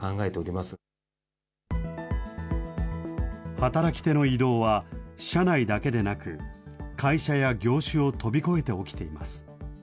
働き手の移動は社内だけでなく、会社や業種を飛び越えて起きています。